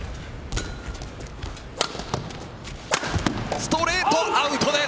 ストレート、アウトです。